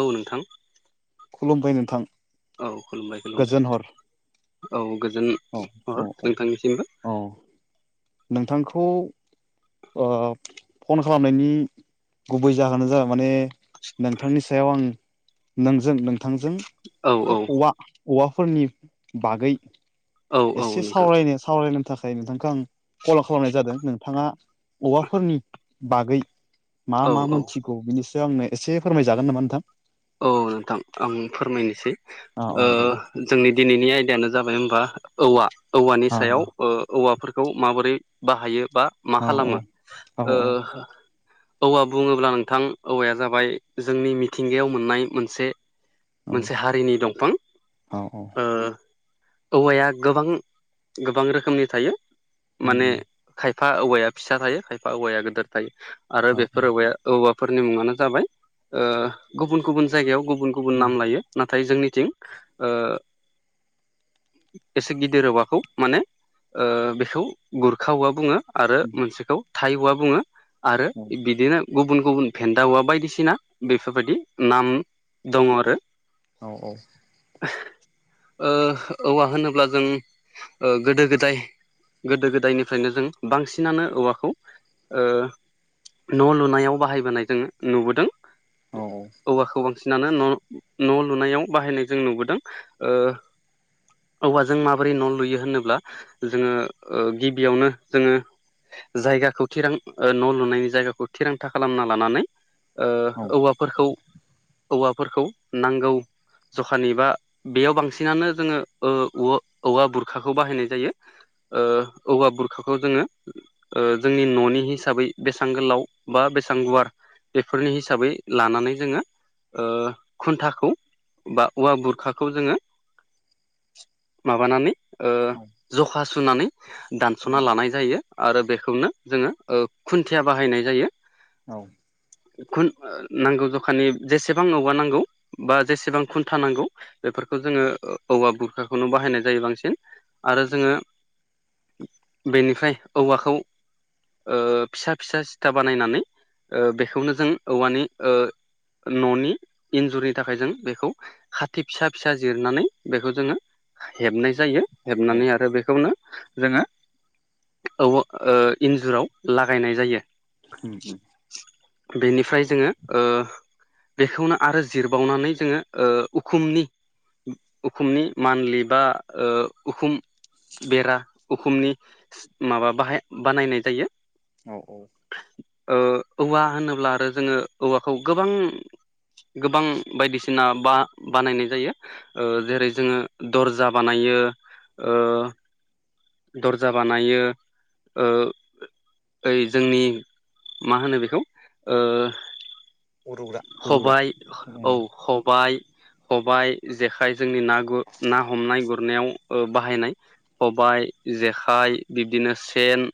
औ नोंथां खुलुमबाय नोंथां औ खुलुमबाय गोजोन हर खुलुमबाय औ गोजोन औ औ हहर औ नोंथांनिसिमबो औ नोंथांखौ फन खालामनायनि गुबै जाहोनानो जा माने नोंथांनि सायाव आं नोंजों नोंथांजों औ औ औवा औवाफोरनि बागै औ औ एसे नोंथां सावरायनो सावरायनो थाखाय नोंथांखौ आं कल' खालामनाय जादों नोंथाङा औवाफोरनि बागै मा औ मा औ मोनथिग। बिनि सायाव आंनो एसे फोरमायजागोन नामा नोंथां औ नोंथां आं फोरमायनोसै औ औ दे दे जोंनि दिनैनि आयदायानो जाबाय होमबा औवा औवानि औ सायाव औवाफोरखौ माबोरै बाहायो बा मा औ खालामो औ ओ औवा बुङोब्ला नोंथां औवाया जाबाय जोंनि मिथिंगायाव मोननाय मोनसे औ मोनसे हारिनि दंफां औ ओ औवाया गोबां - गोबां रोखोमनि थायो माने खाय खायफा औवाया फिसा थायो खायफा औवाया गोदोर थायो आरो औ बेफोर औवाया औवाफोरनि मुङानो जाबाय ओ गुबुन - गुबुन जायगायाव गुबुन - गुबुन नाम लायो। नाथाय जोंनिथिं ओ एसे गिदिर औवाखौ माने ओ बेखौ गुरखा औवा बुङो। आरो मोनसेखौ थाइ औवा बुङो आरो बिदिनो गुबुन - गुबुन भेन्दा औवा बायदिसिना बेफोरबायदि नाम दङ आरो। औ - औ। ओ औवा होनोब्ला जों गोदो गोदाय गोदो गोदायनिफ्रायनो जों बांसिनानो औवाखौ ओ न' लुनायाव बाहायबोनाय जोङो नुबोदों औ - औ औवाखौ बांसिनानो न' न' लुनायाव बाहायनाय जों नुबोदों ओ औवाजों माबोरै न' लुयो होनोब्ला जोङो ओ गिबियावनो जोङो जायगाखौ थिरां न' लुनायनि जायगाखौ थिरांथा खालामना लानानै ओ औ औवाफोरखौ औवाफोरखौ नांगौ जखानि बा बेयाव बांसिनानो जोङो ओ औवा - औवा बुरखाखौ बाहायनाय जायो ओ औवा बुरखाखौ जोङो ओ जोंनि न'नि हिसाबै बेसां गोलाव बा बेसां गुवार बेफोरनि हिसाबै लानानै जोङो ओ खुन्थाखौ बा औवा बुरखाखौ जोङो माबानानै ओ औ जखा सुनानै दानस'ना लानाय जायो आरो बेखौनो जोङो ओ खुन्थिया बाहायनाय जायो औ खुन नांगौ जखानि जेसेबां औवा नांगौ बा जेसेबां खुन्था नांगौ बेफोरखौ जोङो औवा बुरखाखौनो बाहायनाय जायो बांसिन आरो जोङो बेनिफ्राय औवाखौ ओ फिसा फिसा सिथा बानायनानै ओ बेखौनो जों औवानि ओ न'नि इन्जुरनि थाखाय जों बेखौ खाथि फिसा फिसा जिरनानै बेखौ जोङो हेबनाय जायो औ हेबनानै आरो बेखौनो जोङो औवा ओ इन्जुराव लागायनाय जायो हो - हो बेनिफ्राय जोङो ओ बेखौनो आरो जिरबावनानै जोङो ओ उखुमनि उखुमनि मान्लि बा ओ उखुम बेरा उखुमनि माबा बाहाय बानायनाय जायो औ - औ ओ औवा होनोब्ला आरो जोङो औवाखौ गोबां गोबां बायदिसिना बा बानायनाय जायो ओ जेरै जोङो दर्जा बानायो ओ दर्जा बानायो ओ ओइ जोंनि मा होनो बेखौ ओ उरुग्रा उरुग्रा खबाय उम औ खबाय खबाइ जेखाइ जोंनि ना गु ना हमनाय गुरनायाव बाहायनाय खबाइ जेखाइ बिब्दिनो सेन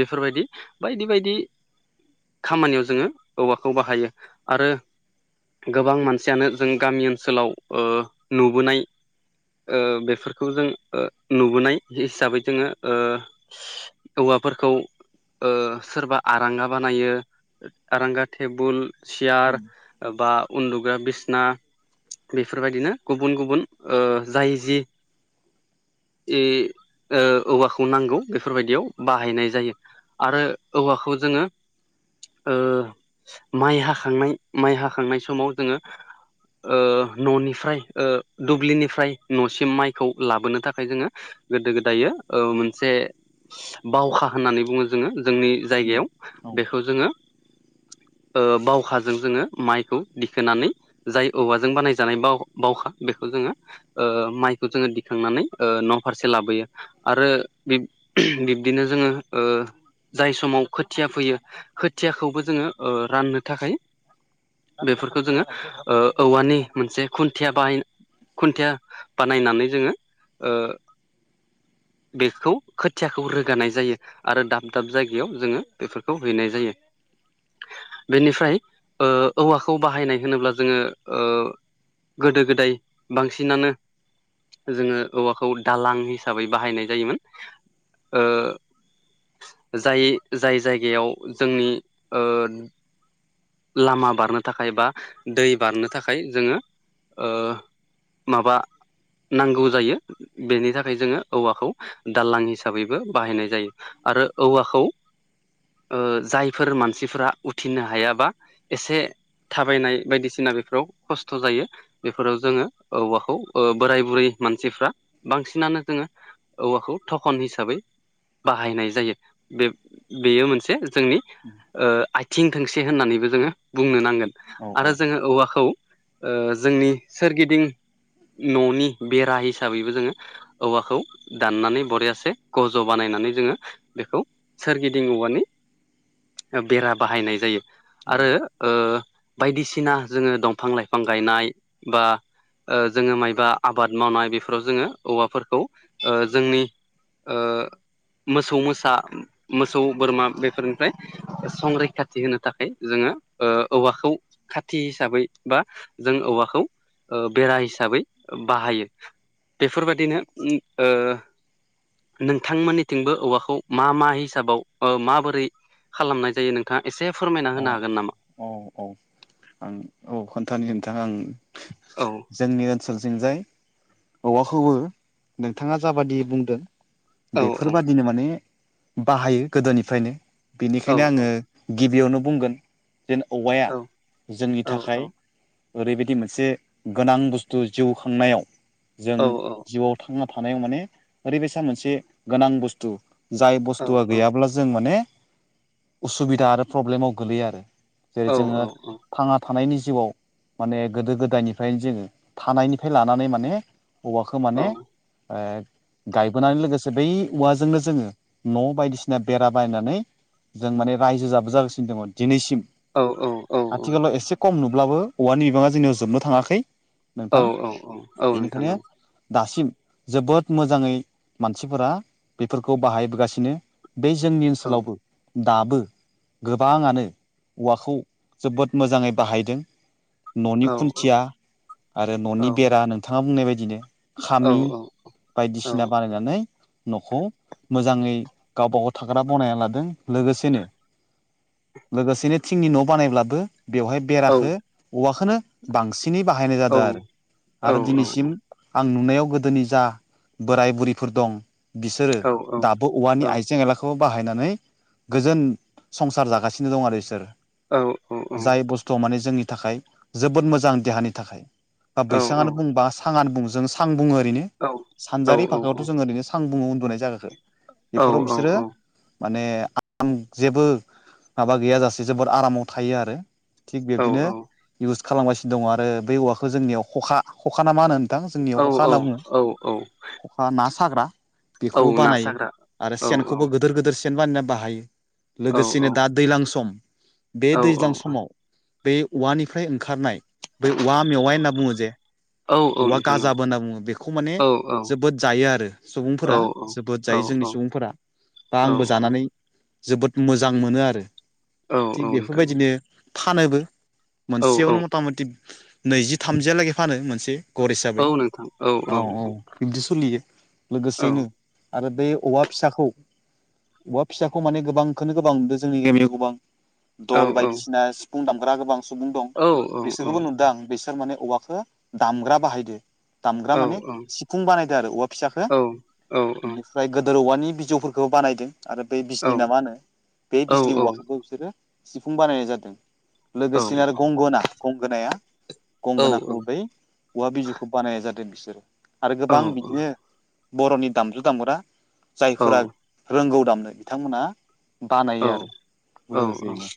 बेफोरबायदि बायदि बायदि खामानियाव जोङो औवाखौ बाहायो आरो गोबां मानसियानो जों गामि ओनसोलाव ओ नुबोनाय ओ बेफोरखौ जों ओ नुबोनाय हिसाबै जोङो ओ औवाफोरखौ ओ सोरबा आरांगा बानायो। आरांगा टेबुल सियार उम बा उन्दुग्रा बिसना बेफोरबायदिनो गुबुन गुबुन जाय ओ जि जि ओ औवाखौ नांगौ बेफोरबायदियाव बाहायनाय जायो आरो औवाखौ जोङो ओ माइ हाखांनाय माइ हाखांनाय समाव जोङो ओ न'निफ्राय ओ दुब्लिनिफ्राय न'सिम माइखौ लाबोनो थाखाय जोङो गोदो गोदायो ओ मोनसे बावखा होननानै बुङो जोङो जोंनि जायायाव औ बेखौ जोङो ओ बावखा जों जोङो माइखौ दिखोनानै जाय औवाजों बानायजानाय बाव बावखा बेखौ जोङो ओ माइखौ जोङो दिखांनानै ओ न' फारसे लाबोयो। आरो बिब्दिनो जोङो ओ जाय समाव खोथिया फैयो खोथियाखौबो जोङो ओ राननो थाखाय बेफोरखौ जोङो ओ औवानि मोनसे खुन्थिया बाहाय खुन्थिया बानायनानै जोङो ओ बेखौ खोथियाखौ रोगानाय जायो। आरो दाब दाब जायगायाव जोङो बेफोरखौ हैनाय जायो बेनिफ्राय ओ औवाखौ बाहायनाय होनोब्ला जोङो ओ गोदो गोदाय बांसिनानो जोङो औवाखौ दालां हिसाबै बाहायनाय जायोमोन। ओ जाय जाय जायगायाव जोंनि ओ लामा बारनो थाखाय बा दै बारनो थाखाय जोङो ओ माबा नांगौ जायो। बेनि थाखाय जोङो औवाखौ दालां हिसाबैबो बाहायनाय जायो। आरो औवाखौ ओ जायफोर मानसिफोरा उथिनो हायाबा एसे थाबायनाय बायदिसिना बेफोराव खस्थ' जायो। बेफोराव जोङो औवाखौ ओ बोराय बुरै मानसिफ्रा बांसिनानो जोङो औवाखौ थख'न हिसाबै बाहायनाय जायो बे बेयो मोनसे जोंनि ओ आथिं थोंसे होननानैबो जोङो बुंनो नांगोन। औ आरो औ जोङो औवाखौ ओ जोंनि सोरगिदिं न'नि बेरा हिसाबैबो जोङो औवाखौ दाननानै बरियासे गज' बानायनानै जोङो बेखौ सोरगिदिं औवानि बेरा बाहायनाय जायो। आरो ओ बायदिसिना जोङो दंफां लाइफां गायनाय बा ओ जोङो मायबा आबाद मावनाय बेफोराव जोङो औवाफोरखौ जोंनि ओ मोसौ मोसा मोसौ बोरमा बेफोरनिफ्राय संरैखाथि होनो थाखाय जोङो ओ औवाखौ खाथि हिसाबै बा जों औवाखौ ओ बेरा हिसाबै बाहायो। बेफोरबायाददिनो ओ नोंथांमोननिथिंबो औवाखौ मा मा हिसाबाव ओ माबोरै खालामनाय जायो नों थाङा एसे फोरमायना होनो हागोन नामा? औ औ आं औ खोन्थानि नोंथां आं औ जोंनि ओनसोलथिंजाय औवाखौबो नोंथाङा जाबादि बुंदों औ बेफोरबादिनो माने बाहायो गोदोनिफ्रायनो औ बेनिखायनो औ आङो गिबियावनो बुंगोन जेन औवाया औ जोंनि औ थाखाय औ ओरैबायदि मोनसे गोनां बुस्थु जिउ खांनायाव जों औ जिउआव थांना थानायाव माने ओरैबायसा मोनसे गोनां बुस्थु जाय औ बुस्थुआ गैयाब्ला जों माने उसुबिदा आरो प्रब्लेमाव गोलैयो आरो जेरै औ जोङो थांना थानायनि जिउआव माने गोदो गोदायनिफ्रायनो जोङो थानायनिफ्राय लानानै माने औवाखो माने औ ओ गायबोनानै लोगोसे बै औवाजोंनो जोङो न' बायदिसिना बेरा बायनानै जों माने रायजो जाबो जागासिनो दंमोन दिनैसिम औ नोंथां औ औ आथिखालाव एसे खम नुब्लाबो औवानि बिबाङा जोंनियाव जोबनो थाङाखै नोंथां औ औ बेनिखायनो दासिम जोबोद मोजाङै मानसिफोरा बेफोरखौ बाहायबोगासिनो बै जोंनि ओनसोलावबो दाबो गोबाङानो औवाखौ जोबोद मोजाङै बाहायदों न'नि खुन्थिया आरो न'नि बेरा नोंथाङा बुंनाय बायदिनो खामि बायदिसिना बानायनानै न'खौ मोजाङै गावबाागाव थाग्रा बनायना लादों लोगोसेनो लोगोसेनो थिंनि न' बानायब्लाबो बेवहाय बेराखो औवाखोनो बांसिनै बाहायनाय जादों आरो आरो औ औ दिनैसिम आं नुनायाव गोदोनि जा बोराय बुरिफोर दं बिसोरो दाबो औवानि औ आइजें आइला खौ बाहायनानै गोजोन संसार जागासिनो दं आरो बिसोर जाय बुस्थुआव माने जोंनि थाखाय जोबोद मोजां देहानि थाखाय बा बैसांआानो बा बुं बा सांआनो बुं जों सां बुङो ओरैनो सानजारि भाखायावथ' जों ओरैनो आं बुङो उन्दुनाय जागाखो बेफोराव बिसोरो माने आं जेबो माबा गैयाजासे जोबोर आरामाव थायो आरो थिग बिबदिनो इउस खालामगासिनो दं आरो बे औवाखो जोंनियाव खखा खखाना मा होन थां जोंनियाव खखा होनना बुङो खखा ना साग्रा बेखौबो औ ना बानायो साग्रा आरो औ सेनखौबो गो गोदोर गोदोर सेन बानायना बाहायो औ लोगोसेनो औ दा दैज्लां सम बे औ दैज्लां औ समाव बे औवानिफ्राय ओंखारनाय बै औवा मेवाइ होनना बुङो जे औ औवा नोंथां गाजाबो होनना बुङो बेखौ माने औ औ जोबोद जायो आरो सुबुंफोरा औ जोबोद जायो औ औ जोंनि सुबुंफोरा औ बा आंबो जानानै जोबोद मोजां मोनो आरो औ औ थिग नोंथां बेफोरबायदिनो फानोबो औ औ मोनसेयावनो मता मति नैजि थामजियालागै फानो मोनसे गर हिसाबै औ औ बिब्दि सोलियो औ लोगोसेनो आरो बे औवा फिसाखौ औवा फिसाखौ माने गोबांखौनो गोबां नुदों जों जोंनि गामियाव गोबां दल औ बायदिसिना सिफुं दामग्रा गोबां सुबुं दं औ बिसोरखौबो नुदो आं बिसोर माने औवाखौ दामग्रा बाहायदो औ दामग्रा माने सिफुं बानायदो आरो औवा फिसाखो बिनि ओमफ्राय गोदोर औवानि बिजौफोरखौबो बानायदो आरो बै बिजलिना मा होनो बे बिजलि औवाखौबो बिसोरो सिफुं बानायनाय जादो लोगोसेनो आरो गंगोना गंगोनाया गंगोनाखौबो बै औवा बिजौखौ बानायनाय जादो बिसोरो आरो गोबां बिदिनो बर'नि दामजु दामग्रा जायफोरा रोंगौ दामनो बिथांमोना बानायो आरो लोगोसेयैनो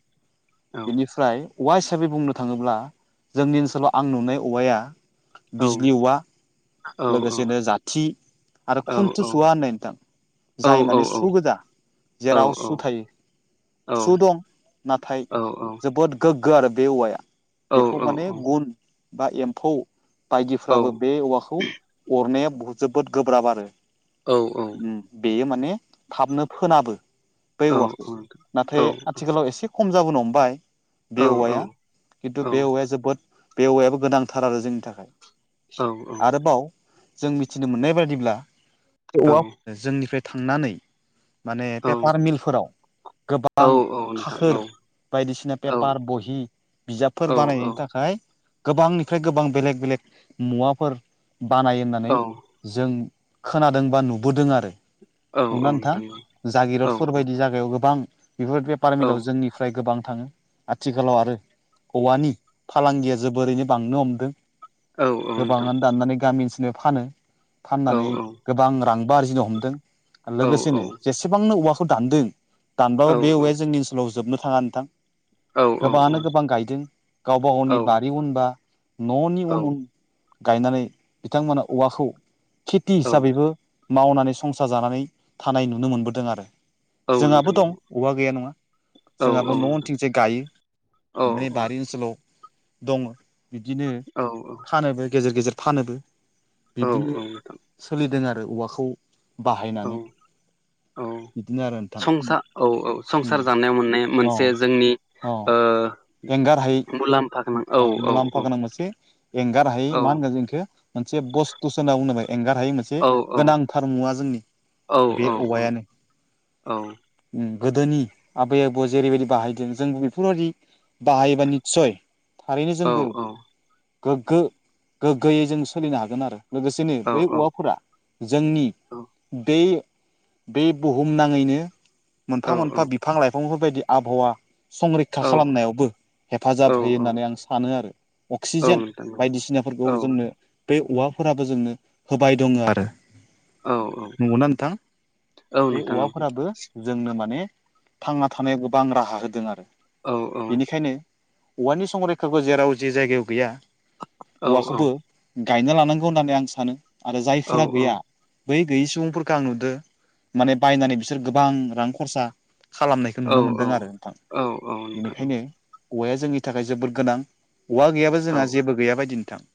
औ नोंथां औ बेनि फ्राय औवा हिसाबै बुंनो थाङोब्ला जोंनि ओनसोलाव आं नुनाय औवाया बिजलि औवा लोगोसेनो जाथि आरो खुन्थु सुवा होननाय नथां जाय माने सुगोदा जेराव सु थायो सु दं नाथाय जोबोद गोग्गो आरो बे औवाया बेखौ माने गुन बा एम्फौ बायदिफ्राबो बे औवाखौ अरनाया जोबोद गोब्राब आरो औ औ उम बेयो माने थाबनो फोनाबो बै औवाखो नाथाय आथिखालाव एसे खम जाबोनो हमबाय बे औवाया खिन्थु बे औवाया जोबोद बे औवायाबो गोनांथार आरो जोंनि थाखाय आरोबाव जों मिथिनो मोननाय बादिब्ला बे औवाफोरानो जोंनिफ्राय थांनानै माने पेपार मिलफोराव गोबां खाखोर बायदिसिना पेपार बहि बिजाबफोर बानायनायनि था औ खाय गोबांनिफ्राय गोबां बेलेक बेलेक मुवाफोर बानाय होननानै औ जों खोनादोंबा नुबोदों आरो औ ना नोंथां औ जागिरद जागायाव गोबां बेफोर औ बेपारमिलाव जोंनि फ्राय गोबां थाङो आथिखालाव आरो औवानि फालांगिया जोबोरैनो बांनो हमदों औ औ नोंथां गोबाङानो दाननानै गामि ओनसोलनिफाय फानो औ फाननानै औ गोबां रांबो आरजिनो हमदों औ औ लोगोसेनो जेसेबांनो औवा खौ दानदों औ दानब्लाबो बे औ औवाया जोंनि ओनसोलाव जोबनो थाङा नोंथां औ औ नोंथां गोबाङानो गोबां गायदों गावबा गावनि औ औ बारि उनबा न'नि औ उन उन गायनानै बिथांमोना औवाखौ खेथि नोंथां हिसाबैबो मावनानै संसार जानानै थानाय नुनो मोनबोदों आरो औ औ जोंहाबो दं औवा‌ गैया नङा जोंहाबो न' उनथिंजाय गायो। नै बारि ओनसोलाव दङ' बिदिनो फानोबो गेजेर गेजेर फानोबो औ बिब्दिनो नोंथां सोलिदों आरो औवाखौ औ बाहायनानै औ बिदिनो आरो नोंथां संसा औ औ संसार जानायाव मोननाय अ मोनसे जोंनि अ ओ एंगार हायै मुलाम्फा गोनां औ अ औ मुलाम्फा औ गोनां मोनसे एंगार हायै औ मा होनगोन जों इखो मोनसे बस्थुस होनना [unintelligible] एंगार हायै मोनसे औ बे गोनांथार मुवा जोंनि औ औ बे औवायानो औ उम गोदोनि आबै आबौआ जेरैबायदि बाहायदों जोंबो बेफोरबायदि बाहायोबा निस्सय थारैनो औ जोंबो गोग्गो-गोग्गोयै जों सोलिनो हागोन आरो लोगोस [unintelligible] नो औ बै औवाफोरा जोंनि बे बे बुहुमनाङैनो मोनफा औ मोनफा बिफां लाइफांफोरबायदि आबहावा संरैखा खालामनायावबो औ हेफाजाब होयो होननानै आं सानो आरो अक्सिजेन नोंथां बायदिसिनाफोरखौ औ जोंनो बे औवाफोराबो जोंनो होबाय दङो आरो औ औ नंगौना नोंथां औ बे नोंथां औ औवाफोराबो जोंनो माने थांना थानायाव गोबां राहा होदों आरो औ बेनिखायनो औवानि संरैखाखौ जेराव जे जायगायाव गैया औ औवाखोबो गायना लानांगौ होननानै आं सानो आरो औ जायफोरा गैया बै गैयि सुबुंफोरखो आं नुदो माने बायनानै बिसोर गोबां रां खरसा खालामनाय खो औ नुनो मोन्दों आरो नोंथां औ औ नोंथां बेनिखायनो औवाया जोंनि औवा गैयाबा औ जोंहा जेबो गैया बायदि नोंथां।